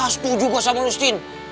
setuju gua sama justine